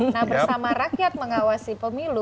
nah bersama rakyat mengawasi pemilu